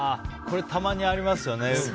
これ、たまにありますよね。